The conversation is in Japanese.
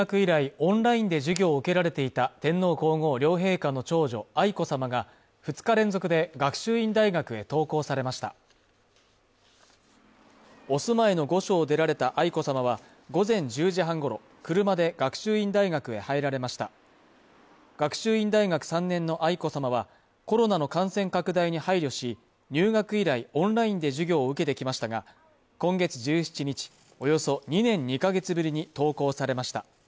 オンラインで授業を受けられていた天皇皇后両陛下の長女愛子さまが２日連続で学習院大学へ登校されましたお住まいの御所を出られた愛子さまは午前１０時半ごろ車で学習院大学へ入られました学習院大学３年の愛子さまはコロナの感染拡大に配慮し入学以来オンラインで授業を受けてきましたが今月１７日およそ２年２か月ぶりに登校されました